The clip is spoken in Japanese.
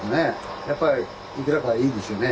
やっぱりいくらかはいいですよね。